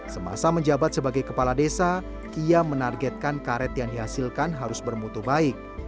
semasa menjabat sebagai kepala desa kia menargetkan karet yang dihasilkan harus bermutu baik